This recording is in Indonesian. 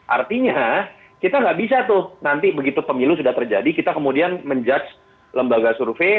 artinya kita nggak bisa tuh nanti begitu pemilu sudah terjadi kita kemudian menjudge lembaga survei